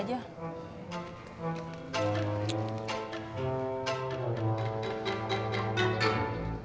kamu tunggu di sini